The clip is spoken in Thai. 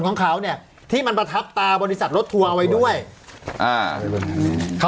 ของเขาเนี่ยที่มันประทับตาบริษัทรถทัวร์เอาไว้ด้วยอ่า